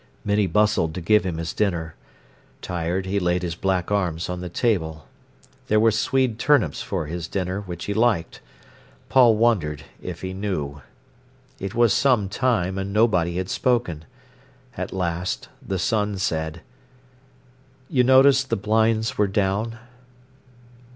Minnie bustled to give him his dinner. Tired, he laid his black arms on the table. There were swede turnips for his dinner, which he liked. Paul wondered if he knew. It was some time, and nobody had spoken. At last the son said: "You noticed the blinds were down?"